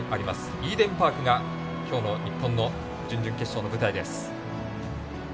イーデンパークが今日の日本の準々決勝の舞台です。